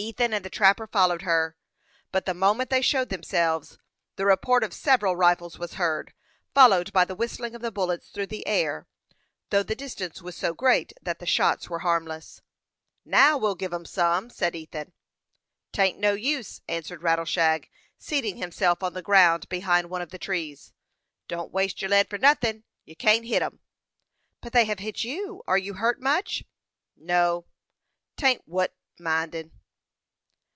Ethan and the trapper followed her; but the moment they showed themselves, the report of several rifles was heard, followed by the whistling of the bullets through the air, though the distance was so great that the shots were harmless. "Now, we'll give 'em some," said Ethan. "'Tain't no use," answered Rattleshag, seating himself on the ground behind one of the trees. "Don't waste your lead for nothin'. You can't hit 'em." "But they have hit you. Are you hurt much?" "No; 'tain't wuth mindin'."